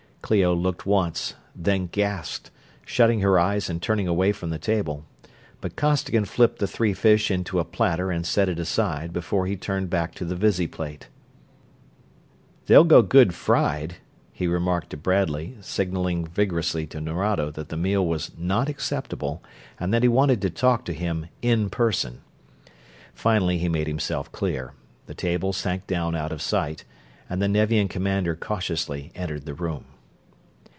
Clio looked once, then gasped, shutting her eyes and turning away from the table, but Costigan flipped the three fish into a platter and set it aside before he turned back to the visiplate. "They'll go good fried," he remarked to Bradley, signaling vigorously to Nerado that the meal was not acceptable and that he wanted to talk to him, in person. Finally he made himself clear, the table sank down out of sight, and the Nevian commander cautiously entered the room.